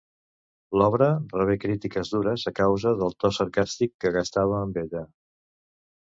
L'obra rebé crítiques dures a causa del to sarcàstic que gastava amb ella.